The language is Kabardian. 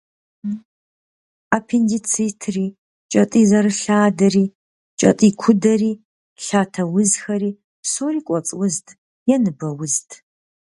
Аппендицитри, кӏэтӏий зэрылъадэри, кӏэтӏий кудэри, лъатэ узхэри псори «кӏуэцӏ узт» е «ныбэ узт».